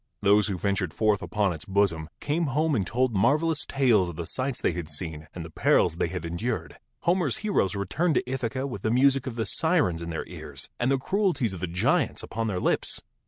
Those who ventured forth upon its bosom came home and told marvelous tales of the sights they had seen and the perils they had endured. Homer's heroes returned to Ithaca with the music of the sirens in their ears and the cruelties of the giants upon their lips.